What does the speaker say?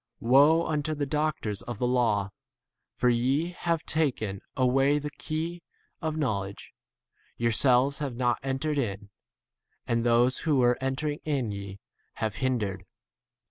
Woe unto you, the doctors of the law, for ye have taken away the key of knowledge ; yourselves have not entered in, and those who were entering in ye have hindered.